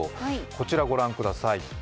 こちらご覧ください。